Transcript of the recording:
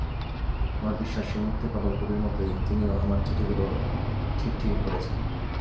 আমার বিশ্বাস, সেই মুক্তিপাগল কবির মতোই তিনিও আমার চিঠিগুলো ঠিক ঠিকই পড়েছেন।